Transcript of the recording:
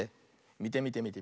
みてみてみて。